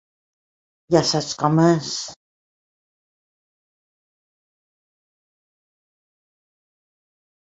Ja saps com és...